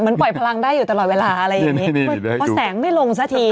ปล่อยพลังได้อยู่ตลอดเวลาอะไรอย่างนี้พอแสงไม่ลงซะที